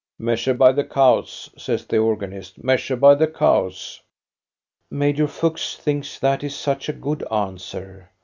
" Measure by the cows," says the organist, " meas ure by the cows !" Major Fuchs thinks that is such a good answer.